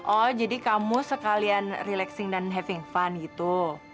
oh jadi kamu sekalian relaxing dan having fun gitu